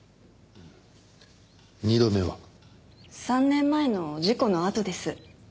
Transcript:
３年前の事故のあとです。